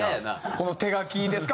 この手書きですか？